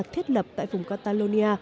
thiết lập tại vùng catalonia